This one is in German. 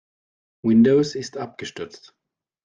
Windows ist abgestürzt.